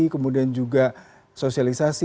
kemudian juga sosialisasi